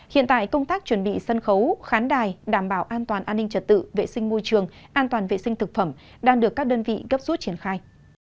hiện tại công tác chuẩn bị sân khấu khán đài đảm bảo an toàn an ninh trật tự vệ sinh môi trường an toàn vệ sinh thực phẩm đang được các đơn vị gấp rút triển khai